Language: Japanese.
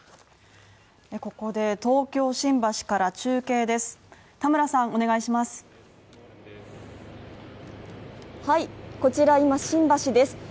ここで東京・新橋から中継です。